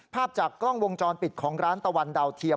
ภาพจากกล้องวงจรปิดของร้านตะวันดาวเทียม